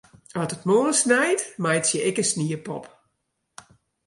As it moarn snijt, meitsje ik in sniepop.